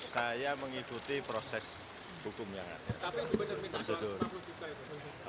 saya mengikuti prosesnya